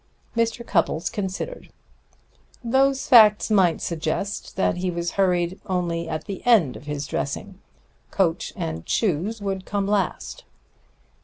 Mr. Cupples considered. "Those facts might suggest that he was hurried only at the end of his dressing. Coat and shoes would come last."